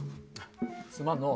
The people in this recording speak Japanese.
すまんのう。